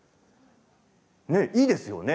いいですよね。